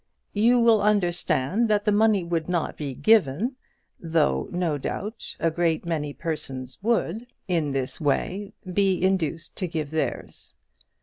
You will understand that the money would not be given, though, no doubt, a great many persons would, in this way, be induced to give theirs.